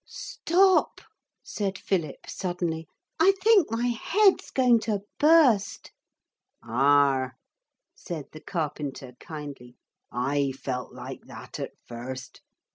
'Stop,' said Philip suddenly. 'I think my head's going to burst.' 'Ah!' said the carpenter kindly. 'I felt like that at first.